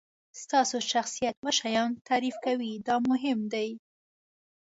ستاسو شخصیت دوه شیان تعریف کوي دا مهم دي.